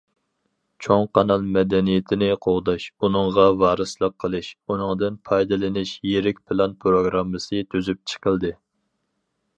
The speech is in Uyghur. چوڭ قانال مەدەنىيىتىنى قوغداش، ئۇنىڭغا ۋارىسلىق قىلىش، ئۇنىڭدىن پايدىلىنىش يىرىك پىلان پىروگراممىسى تۈزۈپ چىقىلدى.